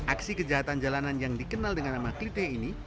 aksi kejahatan jalanan yang dikenal dengan nama klite ini